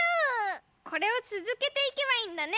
これをつづけていけばいいんだね！